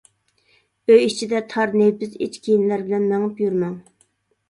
ئۆي ئىچىدە تار، نېپىز ئىچ كىيىملەر بىلەن مېڭىپ يۈرمەڭ.